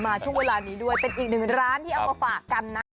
ช่วงเวลานี้ด้วยเป็นอีกหนึ่งร้านที่เอามาฝากกันนะ